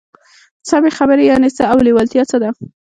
سمې خبرې يانې څه او لېوالتيا څه ده؟